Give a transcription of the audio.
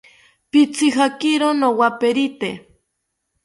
Pitzijakiro nowaperite